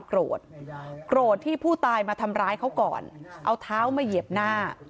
โกรธโกรธที่ผู้ตายมาทำร้ายเขาก่อนเอาเท้ามาเหยียบหน้า